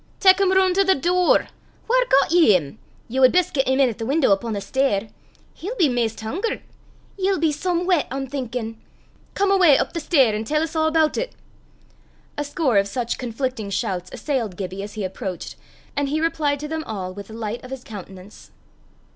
"Tak 'im roon' to the door." "Whaur got ye 'im?" "Ye wad best get 'im in at the window upo' the stair." "He'll be maist hungert." "Ye'll be some weet, I'm thinkin'!" "Come awa up the stair, an' tell 's a' aboot it." A score of such conflicting shouts assailed Gibbie as he approached, and he replied to them all with the light of his countenance.